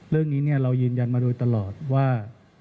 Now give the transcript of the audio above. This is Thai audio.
เรื่องนี้เรายืนยันมาโดยตลอดว่า